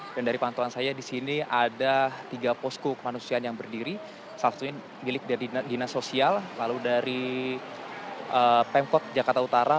dan dari pantuan saya disini ada tiga posko kemanusiaan yang berdiri salah satunya milik dari dinas sosial lalu dari pemkot jakarta utara